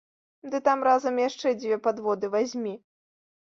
Ды там разам яшчэ дзве падводы вазьмі.